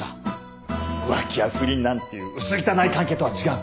浮気や不倫なんていう薄汚い関係とは違う。